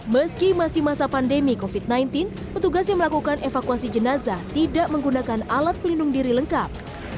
meski masih masa pandemi covid sembilan belas petugas yang melakukan evakuasi jenazah tidak menggunakan alat pelindung diri lengkap